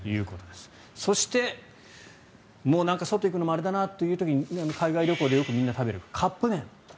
そして外に行くのもあれだなという時に海外旅行でみんな食べるカップ麺。